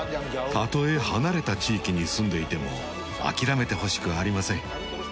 たとえ離れた地域に住んでいても諦めてほしくありません。